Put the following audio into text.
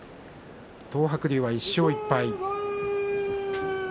東白龍は１勝１敗。